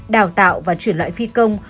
đào tạo và chuyển loại phi công